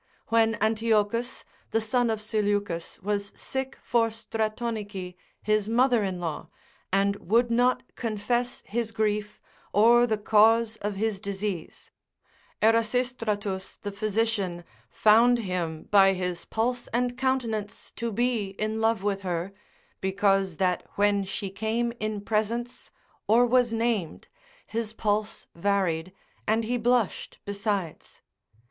When Antiochus, the son of Seleucus, was sick for Stratonice, his mother in law, and would not confess his grief, or the cause of his disease, Erasistratus, the physician, found him by his pulse and countenance to be in love with her, because that when she came in presence, or was named, his pulse varied, and he blushed besides.